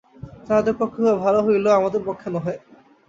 তাহাদের পক্ষে উহা ভাল হইলেও আমাদের পক্ষে নহে।